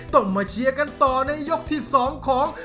ต้องมาเชียร์กันต่อในยกที่๒ของ